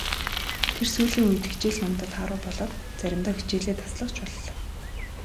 Тэр сүүлийн үед хичээл номдоо тааруу болоод заримдаа хичээлээ таслах ч боллоо.